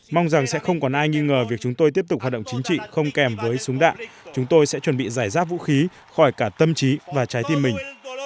mong rằng sẽ không còn ai nghi ngờ việc chúng tôi tiếp tục hoạt động chính trị không kèm với súng đạn chúng tôi sẽ chuẩn bị giải rác vũ khí khỏi cả tâm trí và trái tim mình